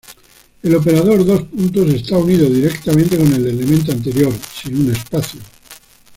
El operador dos puntos está unido directamente con el elemento anterior, sin un espacio.